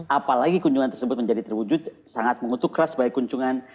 apalagi kunjungan tersebut menjadi terwujud sangat mengutuk keras sebagai kunjungan